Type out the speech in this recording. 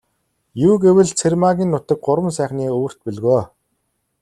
Юу гэвэл, Цэрмаагийн нутаг Гурван сайхны өвөрт бөлгөө.